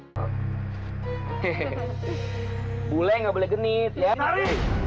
hehehe boleh nggak boleh genit ya hari